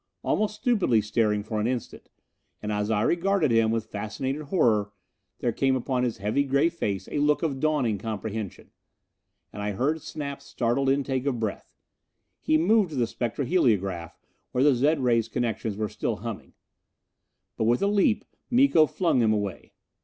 Almost stupidly staring for an instant. And as I regarded him with fascinated horror, there came upon his heavy gray face a look of dawning comprehension. And I heard Snap's startled intake of breath. He moved to the spectroheliograph, where the zed ray connections were still humming. But with a leap Miko flung him away.